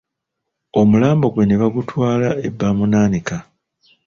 Omulambo gwe ne bagutwala e Baamunaanika